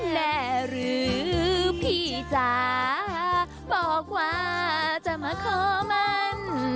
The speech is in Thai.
หรือพี่จ๋าบอกว่าจะมาขอมัน